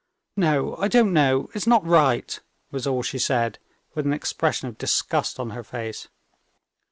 "No, I don't know; it's not right," was all she said, with an expression of disgust on her face.